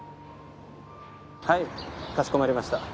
はいかしこまりました。